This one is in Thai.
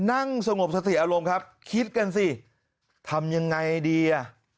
นั่งสงบสติอารมณ์ครับคิดกันสิทำยังไงดีอ่ะ